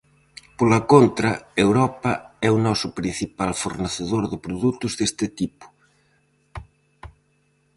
Pola contra, Europa é o noso principal fornecedor de produtos deste tipo.